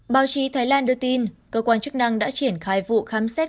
báo chí thái lan đưa tin cơ quan chức năng đã triển khai vụ khám xét